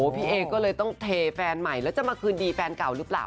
พี่เอก็เลยต้องเทแฟนใหม่แล้วจะมาคืนดีแฟนเก่าหรือเปล่า